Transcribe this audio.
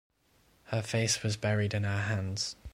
Her face was buried in her hands.